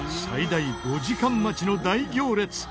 最大５時間待ちの大行列！